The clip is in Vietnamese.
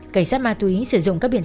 cảnh sát ma túy sử dụng các biện pháp